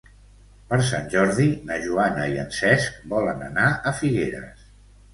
Per Sant Jordi na Joana i en Cesc volen anar a Figueres.